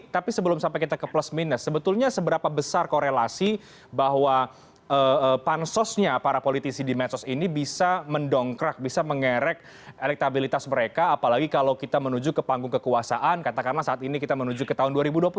tapi sebelum sampai kita ke plus minus sebetulnya seberapa besar korelasi bahwa pansosnya para politisi di medsos ini bisa mendongkrak bisa mengerek elektabilitas mereka apalagi kalau kita menuju ke panggung kekuasaan katakanlah saat ini kita menuju ke tahun dua ribu dua puluh empat